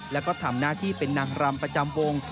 แล้วก็ทำหน้าที่เป็นนางรำประจำวง